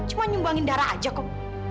cuma nyumbangin darah aja kok